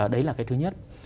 đấy là cái thứ nhất